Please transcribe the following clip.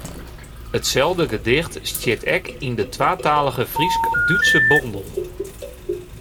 Itselde gedicht stiet ek yn de twatalige Frysk-Dútske bondel.